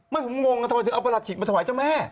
ไม่ผมงงทำไมถึงเอาประหลัดขิกมาถวายเจ้าแม่